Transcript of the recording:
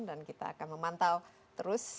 dan kita akan memantau terus